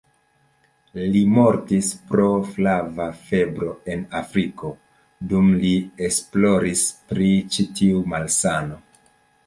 Li mortis pro flava febro en Afriko, dum li esploris pri ĉi-tiu malsano.